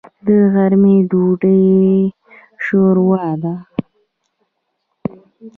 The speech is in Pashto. د غرمې ډوډۍ شوروا ده.